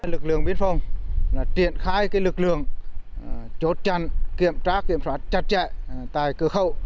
lực lượng biên phòng triển khai lực lượng chốt chăn kiểm tra kiểm soát chặt chẽ tại cửa khẩu